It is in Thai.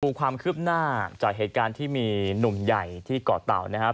ความคืบหน้าจากเหตุการณ์ที่มีหนุ่มใหญ่ที่เกาะเต่านะครับ